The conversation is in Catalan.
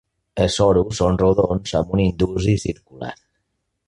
Els sorus són rodons, amb un indusi circular.